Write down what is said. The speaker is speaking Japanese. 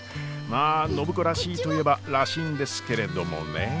まあ暢子らしいといえばらしいんですけれどもねえ。